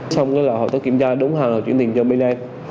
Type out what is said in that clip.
xong rồi là họ chỉ kiểm tra đúng hàng rồi chuyển tiền cho bên em